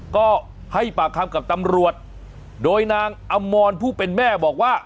ก็ให้ปากคำกับตำรวจโดยนางอมรผู้เป็นแม่บอกว่า